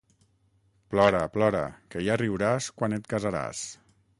Plora, plora, que ja riuràs quan et casaràs.